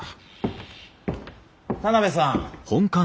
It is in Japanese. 田邊さん。